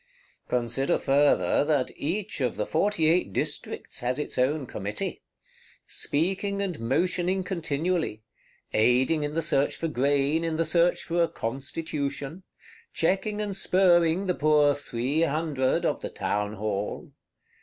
Consider farther that each of the Forty eight Districts has its own Committee; speaking and motioning continually; aiding in the search for grain, in the search for a Constitution; checking and spurring the poor Three Hundred of the Townhall.